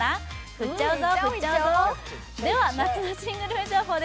振っちゃうぞ。